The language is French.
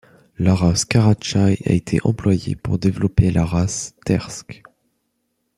La race Karachai a été employée pour développer la race Tersk.